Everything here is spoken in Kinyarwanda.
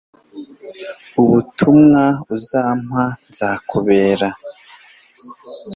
ubutumwa uzampa, nzakubera